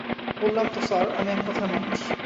বললাম তো স্যার, আমি এককথার মানুষ।